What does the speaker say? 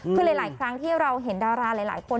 คือหลายครั้งที่เราเห็นดาราหลายคน